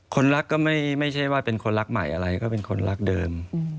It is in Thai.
คนรักก็ไม่ใช่ว่าเป็นคนรักใหม่อะไรก็เป็นคนรักเดิม